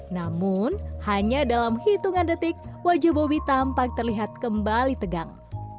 namun hanya dalam hitungan detik wajah bobi tampak terlihat kembali tegang